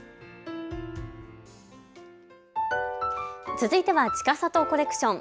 続いてはちかさとコレクション。